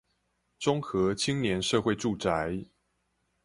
中和青年社會住宅